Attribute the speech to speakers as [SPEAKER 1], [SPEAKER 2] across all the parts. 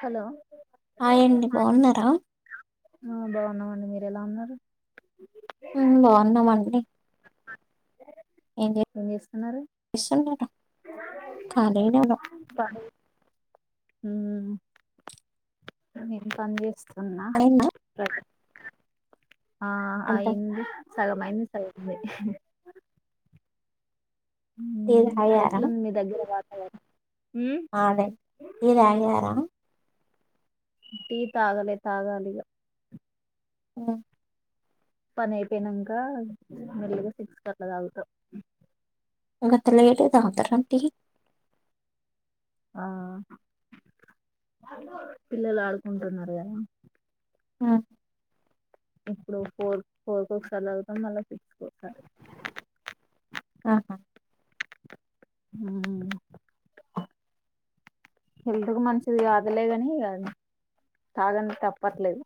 [SPEAKER 1] Hello
[SPEAKER 2] hi అండి బాగున్నార
[SPEAKER 1] ఆ బాగున్నామండి మీరు ఎలా ఉన్నారు
[SPEAKER 2] మేం బాగున్నామండి ఏం చెస్ స్తున్నరు కాలిగానే ఉన్నాం
[SPEAKER 1] పని ఉమ్ నేన్ పనిచేస్తున్నా
[SPEAKER 2] అయిందా
[SPEAKER 1] ఆ
[SPEAKER 2] అంతా
[SPEAKER 1] అయింది సగం అయింది అయిందే
[SPEAKER 2] టీ
[SPEAKER 1] ఉమ్
[SPEAKER 2] తాగారా
[SPEAKER 1] ఎట్లుంది మీ దగ్గర వాతావరణం ఉమ్,
[SPEAKER 2] ఆండి టీ తాగార
[SPEAKER 1] టీ తాగాలే తాగాలిగ
[SPEAKER 2] మ్
[SPEAKER 1] పని అయిపోయినంక మెల్లిగ సిక్స్ కట్ల తాగుతా
[SPEAKER 2] గంత లేటుగా తాగుతారా టీ
[SPEAKER 1] ఆ పిల్లలు ఆడుకుంటున్నారు కదా
[SPEAKER 2] ఆ
[SPEAKER 1] ఇప్పుడు ఫోర్ ఫోర్కీ ఒకసారి తాగుతాం మళ్ళా సిక్స్ ఒకసారి
[SPEAKER 2] ఆహా
[SPEAKER 1] ఉమ్ హెల్త్ కు మంచిది కాదులేగాని ఇగ తాగన్ తప్పట్లేదు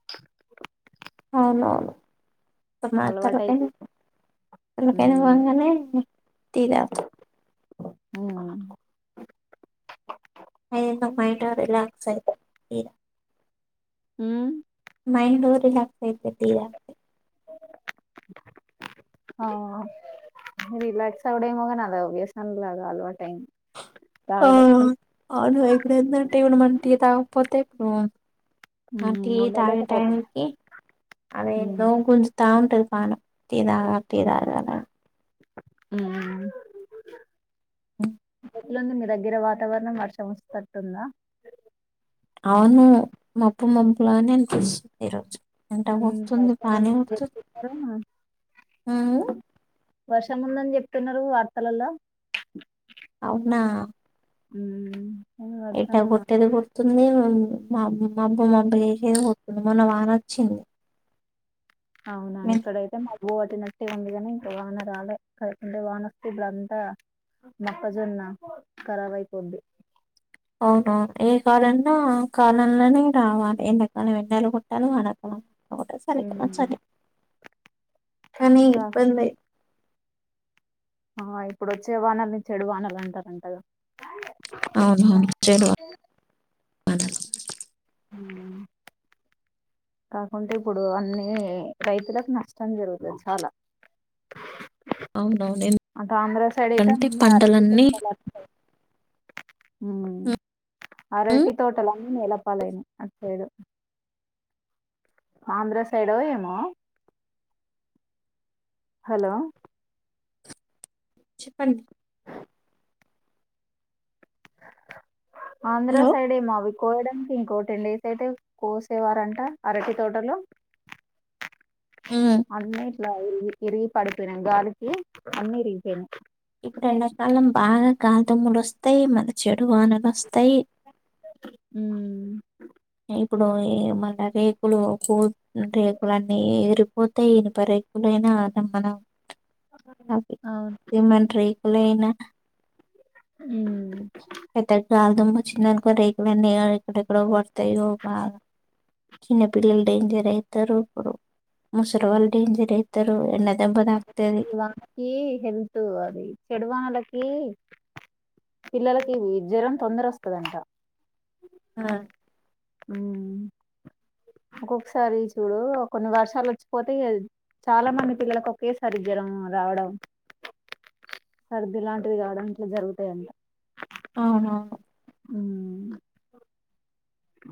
[SPEAKER 2] అవును
[SPEAKER 1] అలవాటు
[SPEAKER 2] మాతరికే
[SPEAKER 1] అయిపోయింది
[SPEAKER 2] ఈడకేని
[SPEAKER 1] ఉమ్
[SPEAKER 2] పొంగనే టీ తాగుతాం
[SPEAKER 1] ఉమ్
[SPEAKER 2] అయిందా మైండ్ రిలాక్స్ అయిత ఫ్రీ గా
[SPEAKER 1] ఉమ్
[SPEAKER 2] మైండు రిలాక్స్ అయిపోద్దిగా
[SPEAKER 1] ఆ రిలాక్స్ అవ్వుడేమో గానీ అదో [unintelligible] లాగ అలవాటు అయింది
[SPEAKER 2] ఆ
[SPEAKER 1] తాగలే
[SPEAKER 2] అవును ఇప్పుడెందంటే ఇప్పుడు మనం టీ తాగకపోతే ఇప్పుడు అ టీ తాగే
[SPEAKER 1] ఉండలేకపోతున్నా
[SPEAKER 2] టైంకి అవి ఏందో గుంజుతా ఉంటది నం టీ తాగ టీ తాగలా
[SPEAKER 1] ఉమ్ ఎట్లుంది మీ దగ్గర వాతావరణం వర్షం వచ్చేటట్టుందా.
[SPEAKER 2] అవును మబ్బు మబ్బులానే అనిపిస్తుంది ఈ రోజు ఎండ కొడుతుంది
[SPEAKER 1] వర్షం
[SPEAKER 2] బానే కొడుతుంది.
[SPEAKER 1] చెప్తున్నారు
[SPEAKER 2] ఆ
[SPEAKER 1] వర్షంముందని చెప్తున్నారు వార్తలల్ల
[SPEAKER 2] అవునా
[SPEAKER 1] ఉమ్
[SPEAKER 2] ఎట కొట్టేది కొడుతుందీ మనము మాబ్ మబ్బ మబ్బ చేసింది పోతుంది మొన్న వాన్నొచ్చింది.
[SPEAKER 1] అవునా ఇక్కడైతే మబ్బు కోట్ కొట్టేనట్టే ఉంది కానీంక వాన రాలే [unintelligible] వానొస్తే ఇప్పుడంతా మొక్కజొన్న ఖరాబ్ అయిపోద్ది
[SPEAKER 2] అవునవును ఏ కాలంలో ఆ కాలంలోనే రావాలి. ఎండాకాలంలో ఎండలు కొట్టాలి. వానకాలం ఒకటేసారి [unintelligible] కానీ
[SPEAKER 1] కాకుంటే
[SPEAKER 2] ఇబ్బందే
[SPEAKER 1] ఆ ఇప్పుడోచ్చే వానల్ని చెడు వానలు అంటారంటగా
[SPEAKER 2] అవునవును చెడు వానలు
[SPEAKER 1] ఉ ఉ కాకుంటే ఇప్పుడు అన్ని రైతులకు నష్టం జరుగుతది చాలా
[SPEAKER 2] అవునవును
[SPEAKER 1] అటు ఆంధ్ర సైడ గిట
[SPEAKER 2] ఎందుకంటే పంటలన్నీ
[SPEAKER 1] [unintelligible] ఉమ్ అరటి తోటలన్నీ నేలపాలైనై అటుసైడు ఆంధ్ర సైడో ఏమో హలో!
[SPEAKER 2] చెప్పండి.
[SPEAKER 1] ఆంధ్ర
[SPEAKER 2] హలో
[SPEAKER 1] సైడేమో అవి కోయడానికి ఇంకోటె లేట్ అయితే కోసేవారంట అరటి తోటలో
[SPEAKER 2] హ్మ్.
[SPEAKER 1] అన్ని ఇట్ల ఇరిగి ఇరిగి పడిపోయ్నయ్ గాలికి అన్ని ఇరిగిపోయ్నయ్
[SPEAKER 2] ఇప్పుడ్ ఎండకాలం బాగా గాల్ధుమ్ముల్ ఒస్తయ్ మళ్ళ చెడ్ డు వానలొస్తయ్
[SPEAKER 1] ఉమ్
[SPEAKER 2] ఇప్పుడు ఏ మళ్ళ రేకులు కు రేకులన్ని ఏరు పోతే ఇనుప రేకులైనా అద మనం అది
[SPEAKER 1] అవును
[SPEAKER 2] ఏమంట్రే లేనా
[SPEAKER 1] ఉమ్
[SPEAKER 2] ఎటే [inaudible] దుమ్మొచ్చిందనుకో రేకులన్ని ఇగ ఎక్కడెక్కడో పడ్తయ్ అదో బాద చిన్నపిల్లల్ డేంజర్ అయితరు ఇప్పుడు ముసల్ డేంజర్ అయ్తరు ఎన్న
[SPEAKER 1] వానకి హెల్త్ అది చెడు వానలకి పిల్లలకి జ్వరం తొందరొస్తదంట.
[SPEAKER 2] ఆ
[SPEAKER 1] మ్ ఒకొక్సారి చూడు కొన్ని వర్షాల్ ఒచ్చిపోతే ఇగ చాలా మంది పిల్లలకు కేసరి జరం రావడం. సర్ది లాంటిది కావడం ఇట్ల జరుగుతయ్ అంట.
[SPEAKER 2] అవునవును.
[SPEAKER 1] మ్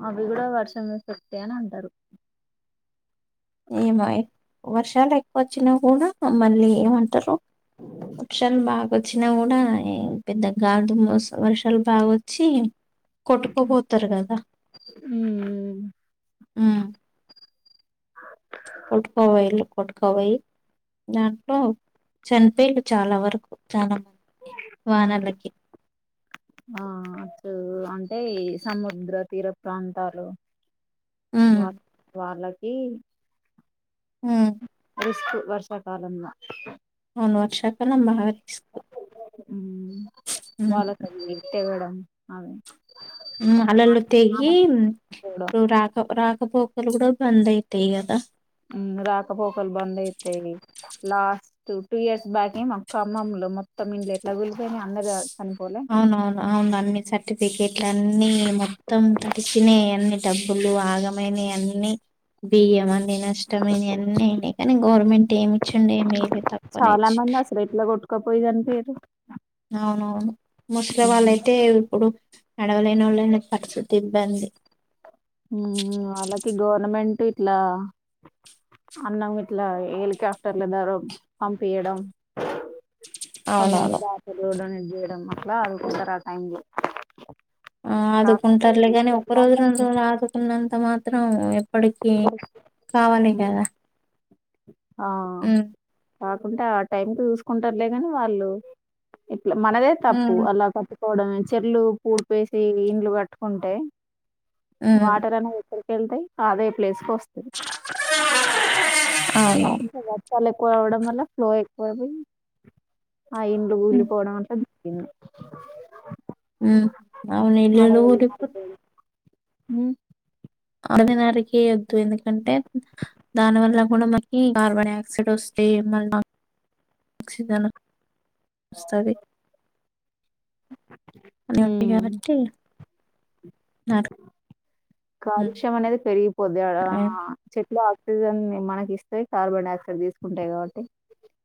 [SPEAKER 1] అవి గుడ వర్షం ఎఫెక్టే అని అంటరు.
[SPEAKER 2] ఏమాయే వర్షాల్ ఎక్కొచ్చిన గుడ మళ్ళీ ఏమంటరు వర్షం బాగ్ వచ్చిన గుడ ఏం పెద్ద గాల్ దుమో వర్షాల్ బాగొచ్చి కొట్టుకొ పోతర్ గదా మ్ కొట్కో పోయిన్లు. కొట్కవొయ్యి దాంట్లో చన్ పోయిన్లు చాలా వరకు చాలా మంది వానలకి
[SPEAKER 1] ఆ అటు అంటే సముద్ర తీర ప్రాంతాలు
[SPEAKER 2] హ్మ్.
[SPEAKER 1] వా వాళ్ళక్ ఈ
[SPEAKER 2] హ్
[SPEAKER 1] రిస్క్ వర్షాకాలంల
[SPEAKER 2] మొన్న వర్షాకాలం బారి హ్మ్.
[SPEAKER 1] వాళ్ళసల్ వింటెగుడం అవి
[SPEAKER 2] హ్మ్ అలలు తెగి
[SPEAKER 1] ఆనకపోవడం
[SPEAKER 2] రాక రాక్ కపోకలు గుడ బంద్ ఐతయ్ గదా
[SPEAKER 1] మ్ రాకపోకల్ బంద్ అయితయి లాస్ట్ టూ ఇయర్స్ బ్యాకె మాక్ ఖమ్మంల లొ మొత్తం ఇండ్లు ఎట్ల కూల్పోయినయ్ అందర్
[SPEAKER 2] అవునవును అవును అన్ని సర్టిఫికేట్లన్ని మొత్తం తడిసినయ్ అన్ని డబ్బులు ఆగమైనయ్ అన్ని బియ్యమన్ న్ని నష్టమైనయ్ అన్నీ అయినయ్ కని గవర్నమెంట్ ఏం ఇచ్చిండు ఏం ఇయలే తక్వనే ఇచ్చి
[SPEAKER 1] ఒక పొయి కన్పియ్యదు.
[SPEAKER 2] అవునవును ముసలి
[SPEAKER 1] ఉమ్
[SPEAKER 2] వాళ్ళయితే ఇప్పుడు నడవలేని ఒళ్ళని [unintelligible] ఇబ్బంది
[SPEAKER 1] మ్ ఆళ్ళకి గవర్నమెంట్ ఇట్లా అన్నం గిట్లా ఏలికాప్టర్ల ద్వారా పంపియ్యడం. కొంతమంది
[SPEAKER 2] అవునవును
[SPEAKER 1] బాటిళ్లు డొనేట్ చేయడం అట్లా అనుకుంటర్ ఆ టైంలో
[SPEAKER 2] ఆ ఆదుకుంటర్లేగని ఒక్కరోజు రెండు రోజులు ఆదుకున్నంత మాత్రం ఇప్పడికి కావాలి
[SPEAKER 1] ఉమ్,
[SPEAKER 2] కదా.
[SPEAKER 1] ఆ
[SPEAKER 2] హ్మ్
[SPEAKER 1] కాకుంటే ఆ టైంకు చూస్కుంటర్లే గని వాళ్ళు ఇ ల మనదే తప్పు
[SPEAKER 2] హ్మ్
[SPEAKER 1] అలా కట్టుకోవడం చెర్లు పూడ్పేసి ఇండ్లు కట్టుకుంటే
[SPEAKER 2] హ్మ్
[SPEAKER 1] వాటర్ అనేది ఎక్కడికేళ్తాయ్ అదె ప్లేస్కొస్తయ్
[SPEAKER 2] అవునవును
[SPEAKER 1] వర్షాల్ ఎక్కువ అవ్వడం వల్ల ఫ్లో ఎక్కువయ్యి ఆ ఇండ్లు కూలిపోవడం ఆట్ల జరిగింది
[SPEAKER 2] హ్మ్ అవును ఇళ్ళలో
[SPEAKER 1] అడవులు
[SPEAKER 2] పోతే ఇప్పుడ్
[SPEAKER 1] నరికేయడం. హ్మ్
[SPEAKER 2] అరివినార్కి [unintelligible] అంటే దాని వల్ల కూడా మనకి కార్బన్ ఆక్సైడ్ వస్తా మళ్ళ కచ్చితన వస్తాది అని ఉంది
[SPEAKER 1] హ్మ్.
[SPEAKER 2] కాబట్టి నారు
[SPEAKER 1] కాలుష్యం అనేది పెరిగిపోది ఆడ ఆహ్ చెట్లు ఆ ఆక్సిజన్ మనకి ఇస్తయ్ కార్బన్డయాక్సైడ్ తీసుకుంటాయి కాబటి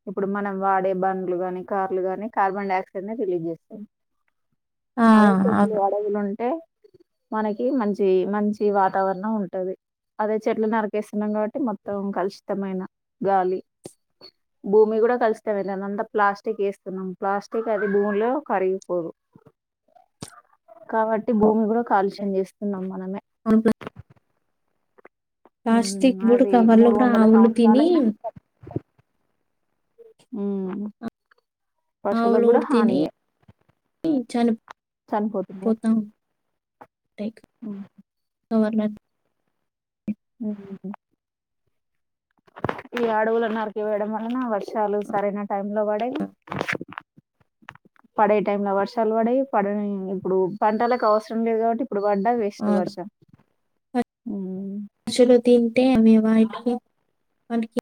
[SPEAKER 1] ఇప్పుడు మనం వాడే బండ్లు గాని కార్లు గాని కార్బన్ డైఆక్సైడ్ ని రిలీజ్ చేస్తాయి
[SPEAKER 2] ఆ
[SPEAKER 1] అదే చెట్లు
[SPEAKER 2] అవును
[SPEAKER 1] అడవులుంటే మనకి మంచీ మంచి వాతావరణం ఉంటది అదే చెట్లు నరికెస్తున్నాం కాబట్టి మొత్తం కలుషితమైన గాలి భూమి కూడా కాలుషతమేతాంది అంతా ప్లాస్టిక్ ఏస్తున్నాం ప్లాస్టిక్ అది భూమిలో కరిగిపో కుహు
[SPEAKER 2] [inaudible]
[SPEAKER 1] కాబట్టి భూమి కూడా కాలుష్యం చేస్తునం మనమే
[SPEAKER 2] అవును
[SPEAKER 1] ఉమ్,
[SPEAKER 2] ప్లాస్టిక్ కూడా
[SPEAKER 1] అది
[SPEAKER 2] కవర్లు కూడా ఆవులు తిని
[SPEAKER 1] ఊ మ్ పశువులకు
[SPEAKER 2] ఆవులు
[SPEAKER 1] కూడా
[SPEAKER 2] తిని
[SPEAKER 1] హానియె చనిపోతున్నాయి
[SPEAKER 2] చనిపోతా
[SPEAKER 1] మ్
[SPEAKER 2] కవర్లాంత్
[SPEAKER 1] ఉమ్ హు హు ఈ ఆడువులను నరికివేయడం వలన వర్షాలు సరైన టైం లో పడయ్
[SPEAKER 2] [inaudible]
[SPEAKER 1] పడే టైం లో వర్షాల్ పడయ్ పడన్ ఇప్పుడు పంటలకు అవసరం లేదు కాబట్టి ఇప్పుడు పడ్డా వేస్ట్ వర్షం
[SPEAKER 2] పశులు తింటే అవి వైట్ గా మనకి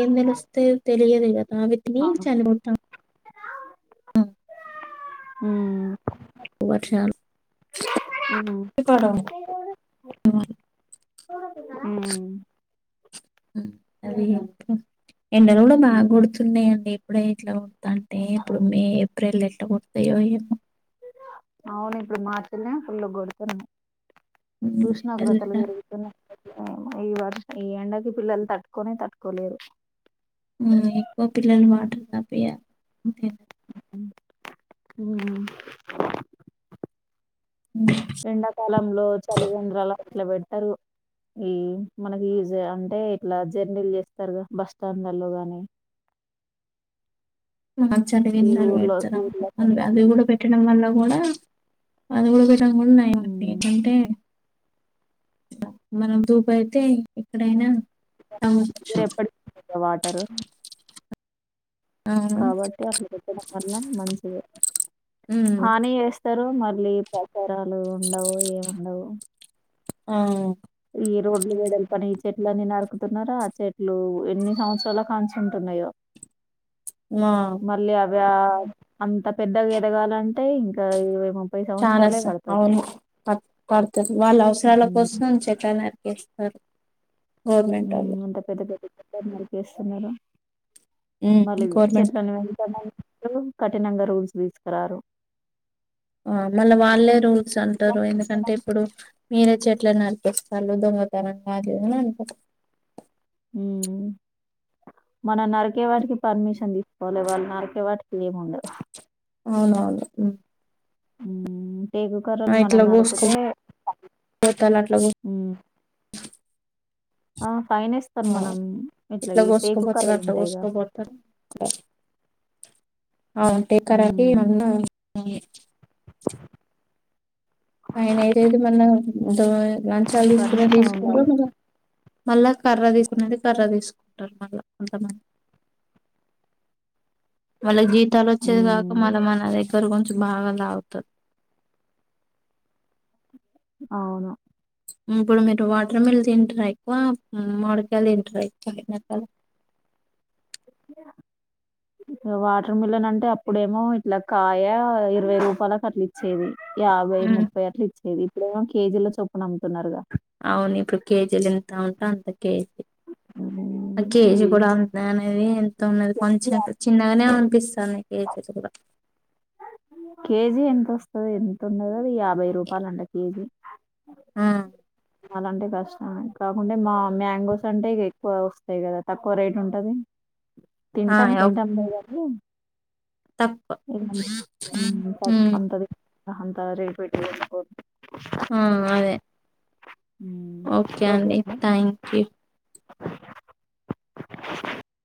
[SPEAKER 2] ఏం తెలుస్తయ్ తెలియదు కదా అవి తిని చనిపోతా
[SPEAKER 1] హ్మ్
[SPEAKER 2] వర్షాలు
[SPEAKER 1] ఉమ్. ఊ మ్
[SPEAKER 2] ఉమ్ అదే అక్క ఎండలు కూడా బాగా కొడుతున్నాయండి ఇప్పుడే ఇట్ల కొడ్తాంటే ఇప్పుడు మే ఏప్రిల్ ఎట్లా కొడతాయో ఏమో
[SPEAKER 1] అవును ఇప్పుడు మార్చలానే ఫుల్ కొడుతున్నాయి
[SPEAKER 2] ఉమ్, ఎండలు
[SPEAKER 1] ఉషనోగ్రత్తలు
[SPEAKER 2] కూడా
[SPEAKER 1] పెరుగుతున్నాయి మ్ ఈ వర్ష ఈ ఎండకి పిల్లలు తట్టుకొనే తట్టుకోలేరు
[SPEAKER 2] హ్మ్ ఎక్కువ పిల్లలు వాటర్ తాపియాలి అంతే
[SPEAKER 1] మ్
[SPEAKER 2] [inaudible]
[SPEAKER 1] ఎండాకాలంలో చలివేంద్రాలు అట్లా పెడ్తారు ఈ మనకి అంటే ఇట్లా జర్నీలు చేస్తారుగా బస్ స్టాండ్లలో గాని
[SPEAKER 2] మ
[SPEAKER 1] ఈ
[SPEAKER 2] చలివేంద్రాలు
[SPEAKER 1] ఊర్లో
[SPEAKER 2] పెడతారు
[SPEAKER 1] ఊర్లో
[SPEAKER 2] అ అది
[SPEAKER 1] సెంటర్లో
[SPEAKER 2] కూడా పెట్టడం వల్ల కూడా అది కూడ [unintelligible] కూడా ఉన్నాయండి ఏంటంటే మనం దుపయితే ఎక్కడైనా తాగొచ్చు.
[SPEAKER 1] రెప వాటరు
[SPEAKER 2] అవును.
[SPEAKER 1] కాబట్టి అట్ల పెట్టడం వల్ల మంచిదే
[SPEAKER 2] హ్మ్.
[SPEAKER 1] మల్లీ ప్రచారాలు ఉండవు ఏముండవు
[SPEAKER 2] ఆ
[SPEAKER 1] ఈ రోడ్లు వెడల్పని ఈ చెట్లన్ని నరుకుతున్నారా ఆ చెట్లు ఎన్ని సంవత్సరాల కాంచి ఉంటున్నాయో
[SPEAKER 2] నా
[SPEAKER 1] గా అంత పెద్దగా ఎదగాలంటే ఇంకా ఇవే
[SPEAKER 2] చాలాసా అవును ప పడుతది వాళ్ళ అవసరాల
[SPEAKER 1] ఉమ్
[SPEAKER 2] కోసం చె లను నరికేస్తారు గవర్నమెంటోళ్ళు.
[SPEAKER 1] మ్ అంత పెద్ద పెద్ద చెట్లని నరికేస్తున్నారు
[SPEAKER 2] హ్మ్.
[SPEAKER 1] మరీ
[SPEAKER 2] గవర్నమెంట్
[SPEAKER 1] చెట్లలను పెంచమంటారు కఠినంగా రూల్స్ తీసుకరారు
[SPEAKER 2] ఆ మళ్ళా వాళ్ళే రూల్స్ అంటారు ఎందుకంటే ఇప్పుడు మీరై చెట్లను నరికేస్తాలు దొంగతనంగా అట్లనే అనుకుం
[SPEAKER 1] మ్ మనం నరకేవాటికి పర్మిషన్ వల్లదీవాళ్ళు నారూకే వాటికి ఏం ఉండదు
[SPEAKER 2] అవునవును మ్
[SPEAKER 1] టేకుకర్రలు మనం నరుకుతే
[SPEAKER 2] కోసుకోపోతారు అట్లా కోస్-
[SPEAKER 1] ఆ ఫైన్ ఎస్తేరు
[SPEAKER 2] ఆ,
[SPEAKER 1] మనం ఇట్లా ఈ టేకు
[SPEAKER 2] కోసుకోపోతారు
[SPEAKER 1] కర్రలు
[SPEAKER 2] అట్లా
[SPEAKER 1] ఉంటాయిగా
[SPEAKER 2] అ ఉంటయ్ టేకు కర్రకి
[SPEAKER 1] హ్మ్.
[SPEAKER 2] [unintelligible] ఆయన [unintelligible] లంచాలు తీసుకునేవీ
[SPEAKER 1] పర్మిషన్
[SPEAKER 2] తీసుకుంటా
[SPEAKER 1] ఉండాలి.
[SPEAKER 2] మన మళ్ళా కర్ర తీకునేది కర్ర తీసుకుంటారు మళ్ళా కొంతమంది వాళ్ళకి జీతాలు ఓచ్చేది కాక
[SPEAKER 1] హ్మ్.
[SPEAKER 2] మల్లా మన దగ్గరగా చ్చు మల్ల లాగుతార్
[SPEAKER 1] అవును
[SPEAKER 2] ఇప్పుడు మీరు వాటర్ మిల్ తింటార ఎక్కువ మ్ మామిడికాయిలు తింటర ఎక్కువ ఎండాకాలం
[SPEAKER 1] వాటర్ మిల్లన్ అంటే అప్పుడేమో ఇట్లా కాయ ఇరవై రూపాలకు అట్లా ఇచ్చేది యాభై
[SPEAKER 2] హ్మ్
[SPEAKER 1] ముప్పై అట్లా ఇచ్చేది ఇప్పుడేమో కేజీల చొప్పున అం
[SPEAKER 2] అవును ఇప్పుడు కేజీలు ఎంత ఉంటా అంత కేజీ
[SPEAKER 1] హ్మ్. ఈ
[SPEAKER 2] కేజీ కూడా అంత అనేది ఎంత ఉన్నది కొంచెం చిన్నగానే ఉ పిస్తాంది కేజీలు కూడా
[SPEAKER 1] కేజీ ఎంత ఓస్తది ఎంత ఉన్నది అది యాభై రూపాయలు అంట కేజీ
[SPEAKER 2] మ్
[SPEAKER 1] అలాంటే కష్టం కాకుంటే మా మ్యాంగోస్ అంటే ఇగ ఎక్కువ వస్తాయి కదా తక్కువ రేట్ ఉంటది
[SPEAKER 2] ఆ
[SPEAKER 1] తింటాం
[SPEAKER 2] ఓక్
[SPEAKER 1] తింటాం లే కానీ
[SPEAKER 2] తక్కువ
[SPEAKER 1] ఇగ
[SPEAKER 2] హ్మ్
[SPEAKER 1] అంత అంత రేట్ పెట్టి కొనుక్కో
[SPEAKER 2] ఆ అదే ఓకే అండి థ్యాంక్ యూ